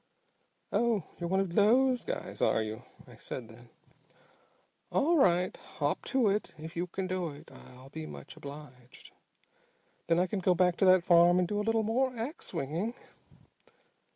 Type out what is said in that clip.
'Oh, you're one of those guys, are you?' I said then. 'All right, hop to it. If you can do it I'll be much obliged. Then I can go back on that farm and do a little more ax swinging!'"